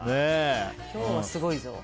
今日はすごいぞ。